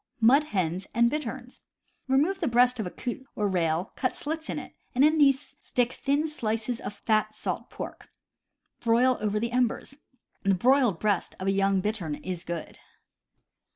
Mud hens and Bitterns. — Remove the breast of a coot or rail, cut slits in it, and in these stick thin slices of fat salt pork; broil over the embers. The broiled breast of a young bittern is good.